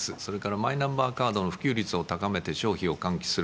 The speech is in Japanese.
マイナンバーカードの普及率を高めて消費を喚起する。